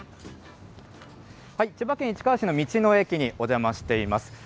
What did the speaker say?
千葉県市川市の道の駅にお邪魔しています。